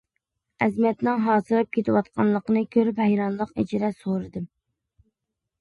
ئەزىمەتنىڭ ھاسىراپ كېتىۋاتقانلىقىنى كۆرۈپ ھەيرانلىق ئىچىدە سورىدىم.